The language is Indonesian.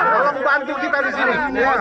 tolong bantu kita di sini semua